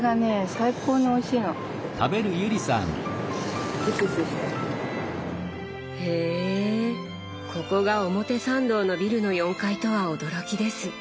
最高においしいの。へここが表参道のビルの４階とは驚きです。